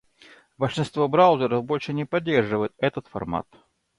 Большинство браузеров больше не поддерживает этот формат.